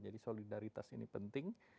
jadi solidaritas ini penting